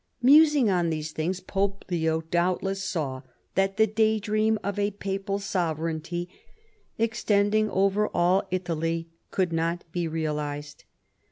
Musing on these things Pope Leo doubtless saw that the day dream of a papal sovereignty extending over all Italy could not be realized.